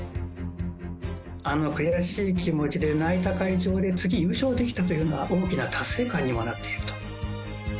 あの悔しい気持ちで泣いた会場で、次、優勝できたというのが、大きな達成感にもなっていると。